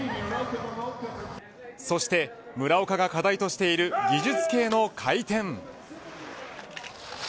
そして村岡が課題としている技術系の回転。